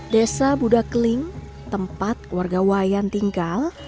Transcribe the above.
desa budakling tempat warga wayan tinggal